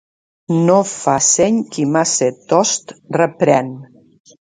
No fa seny qui massa tost reprèn.